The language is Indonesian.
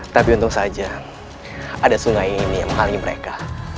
tapi untung saja ada sungai ini yang menghalangi mereka